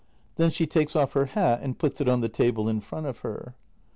Then she takes off her hat and puts it on the table in front of her.